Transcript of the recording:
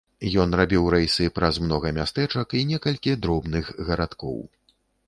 Ён рабіў рэйсы праз многа мястэчак і некалькі дробных гарадкоў.